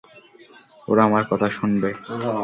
ওরা আমার কথা শোনবে।